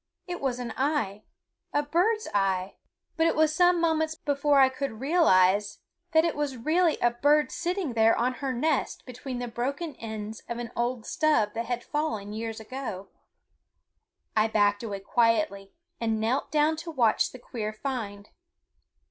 It was an eye, a bird's eye; but it was some moments before I could realize that it was really a bird sitting there on her nest between the broken ends of an old stub that had fallen years ago. I backed away quietly and knelt down to watch the queer find.